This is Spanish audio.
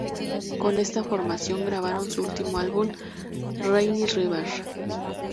Con esta formación grabaron su último álbum, "Rainy River".